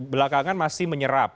belakangan masih menyerap